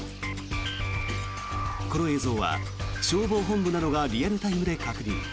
この映像は消防本部などがリアルタイムで確認。